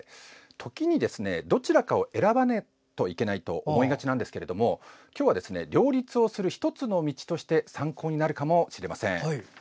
時に、どちらかを選ばないといけないと思いがちなんですけれども今日は両立をする１つの道として参考になるかもしれません。